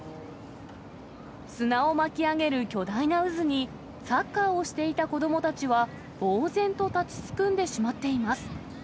砂を巻き上げる巨大な渦に、サッカーをしていた子どもたちはぼう然と立ちすくんでしまっています。